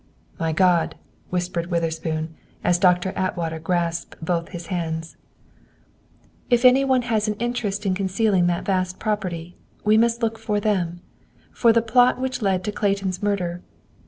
"My God!" whispered Witherspoon, as Doctor Atwater grasped both his hands. "If any one had an interest in concealing that vast property, we must look for them, for the plot which led to Clayton's murder.